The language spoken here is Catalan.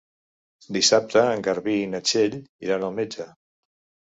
Dissabte en Garbí i na Txell iran al metge.